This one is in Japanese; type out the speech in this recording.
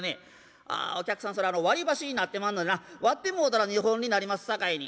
「ああお客さんそれ割り箸になってまんのでな割ってもうたら２本になりますさかいに」。